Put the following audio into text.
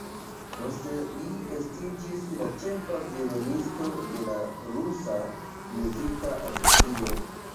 Poste li estiĝis la ĉefa violonisto de Rusa Muzika Asocio.